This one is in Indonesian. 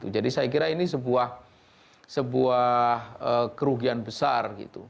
jadi saya kira ini sebuah kerugian besar